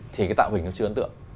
thì cái tạo hình nó chưa ấn tượng